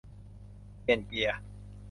เปลี่ยนเกียร์